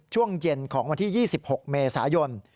ช่วงเย็นของวันที่๒๖เมษายน